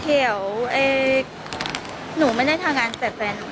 เกี่ยวเอ่ยหนูไม่ได้ทางงานแต่แฟนหนูค่ะ